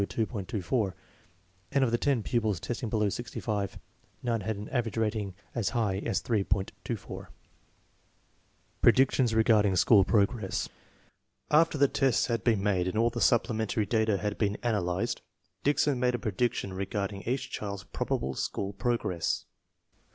24; and of the ten pupils testing below 65, none had an aver age rating as high as 3.24. Predictions regarding school progress. After the tests had been made and all the supplementary data had been analyzed, Dickson made a prediction re garding each child's probable school progress.